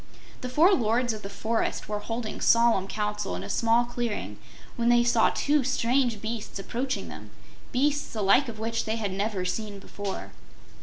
The four lords of the forest were holding solemn council in a small clearing when they saw two strange beasts approaching them beasts the like of which they had never seen before.